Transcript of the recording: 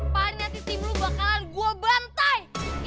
paham hati tim lo bakalan gue bantai